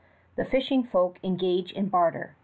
The fishing folk engage in barter.